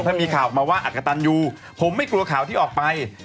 ส่วนถ้ามีข่าวมาว่าอากตันอยู่ผมไม่กลัวข่าวที่ออกไป